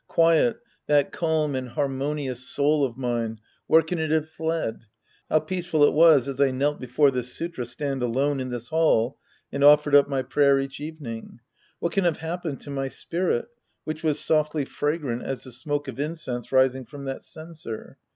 Quiet, — that calm and harmonious soul of mine, where can it have fled ? How peaceful it was as I knelt before this sutra stand alone in tHs hall and offered up my prayer each evening 1 What can have happened to my spirit, which was softly fragrant as the smoke of incense rising from that censer